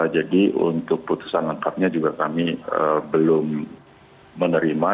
jadi untuk putusan lengkapnya juga kami belum menerima